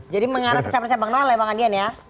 jadi mengarah ke capresnya bang noel lah ya bang adian ya